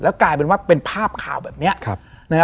กลายเป็นว่าเป็นภาพข่าวแบบนี้